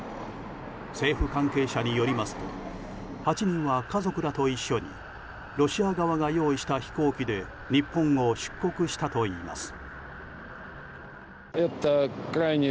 政府関係者によりますと８人は家族らと一緒にロシア側が用意した飛行機で日本を出国したといいます。